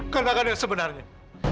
katakan yang sebenarnya